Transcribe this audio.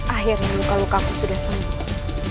akhirnya luka lukaku sudah sembuh